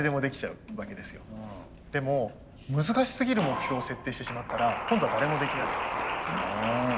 でも難しすぎる目標を設定してしまったら今度は誰もできないわけですね。